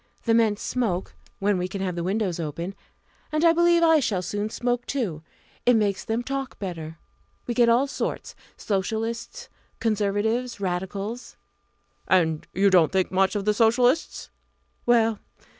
The men smoke when we can have the windows open! and I believe I shall soon smoke too it makes them talk better. We get all sorts Socialists, Conservatives, Radicals "" And you don't think much of the Socialists?" "Well!